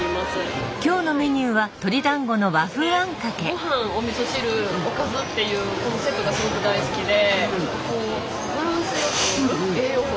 ごはんおみそ汁おかずっていうこのセットがすごく大好きで。